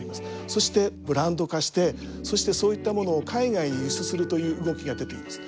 そしてブランド化してそしてそういったものを海外に輸出するという動きが出ています。